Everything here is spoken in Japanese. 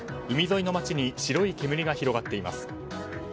海沿いの街に白い煙が広がっています。